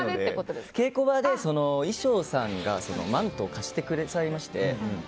稽古場で衣装さんがマントを貸してくださいまして。